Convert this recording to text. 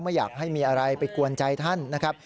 ไม่อยากให้มีอะไรไปกวนใจท่านนะครับ